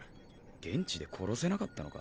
現地で殺せなかったのか？